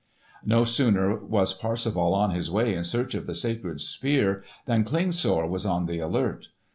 No sooner was Parsifal on his way in search of the sacred Spear, than Klingsor was on the alert.